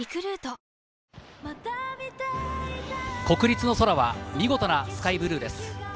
国立の空は見事なスカイブルーです。